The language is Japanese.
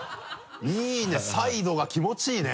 いいねサイドが気持ちいいね。